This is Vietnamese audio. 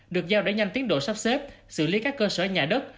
được giao để nhanh tiến độ sắp xếp xử lý các cơ sở nhà đất